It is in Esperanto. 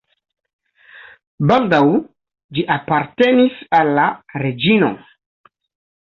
Baldaŭ ĝi apartenis al la reĝino.